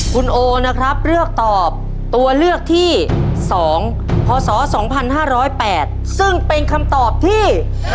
คุณโอนะครับเลือกตอบตัวเลือกที่๒พศ๒๕๐๘ซึ่งเป็นคำตอบที่